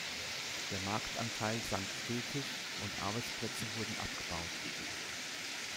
Der Marktanteil sank stetig und Arbeitsplätze wurden abgebaut.